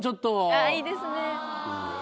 あぁいいですね。